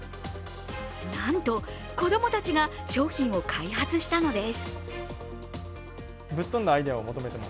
なんと、子供たちが商品を開発したのです。